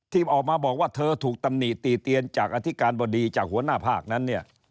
ออกมาบอกว่าเธอถูกตำหนิติเตียนจากอธิการบดีจากหัวหน้าภาคนั้นเนี่ย